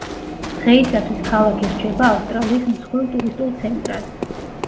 დღეისათვის ქალაქი რჩება ავსტრალიის მსხვილ ტურისტულ ცენტრად.